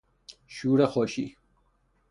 شور خوشی